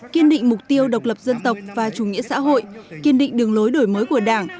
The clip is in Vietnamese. kiên định mục tiêu độc lập dân tộc và chủ nghĩa xã hội kiên định đường lối đổi mới của đảng